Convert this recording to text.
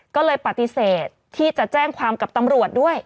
ก็เลยปฏิเสธที่จะแจ้งความกับตำรวจด้วย